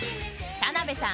田辺さん